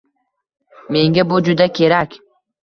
Menga bu juda kerak